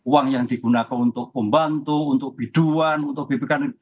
uang yang digunakan untuk pembantu untuk biduan untuk bbk